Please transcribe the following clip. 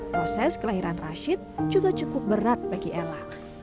proses kelahiran rashid juga cukup berat bagi ella